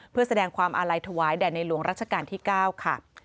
เพื่อแสดงความอาลัยถวายแด่ในหลวงรัชกาลที่๙ค่ะ